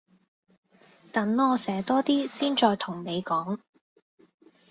等我寫多啲先再同你講